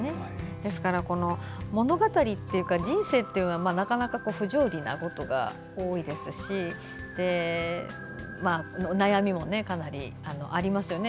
ですから、物語というか人生というのは、なかなか不条理なことが多いですし悩みもかなりありますよね。